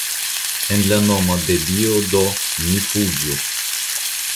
En la nomo de Dio do, ni fuĝu.